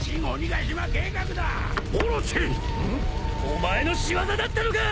お前の仕業だったのか！